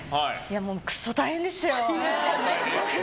クソ大変でしたよ。